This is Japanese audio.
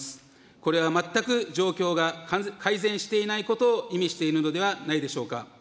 これは全く状況が改善していないことを意味しているのではないでしょうか。